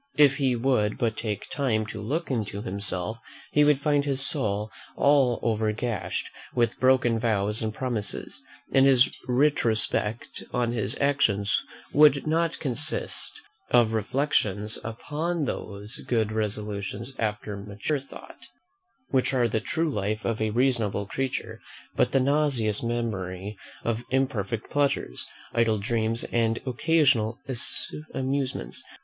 If he would but take time to look into himself, he would find his soul all over gashed with broken vows and promises; and his retrospect on his actions would not consist of reflections upon those good resolutions after mature thought, which are the true life of a reasonable creature, but the nauseous memory of imperfect pleasures, idle dreams, and occasional amusements.